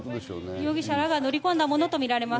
容疑者らが乗り込んだものとみられます。